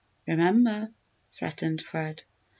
Remember!" threatened Fred.